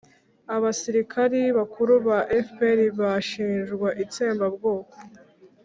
abasirikari bakuru ba fpr bashinjwa itsembabwoko